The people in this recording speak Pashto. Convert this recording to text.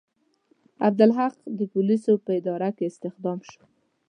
عبدالحق د پولیسو په اداره کې استخدام شو.